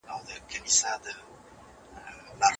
حی علی الفلاح، حی علی الفلاح